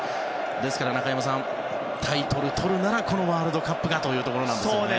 ですから、中山さんタイトルをとるならこのワールドカップがというところなんですよね。